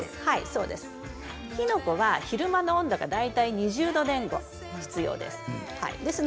キノコは昼間の温度が大体２０度前後必要です。